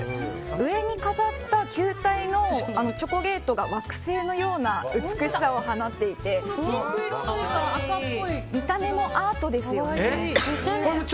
上に飾った球体のチョコレートが惑星のような美しさを放っていて見た目もアートですよね。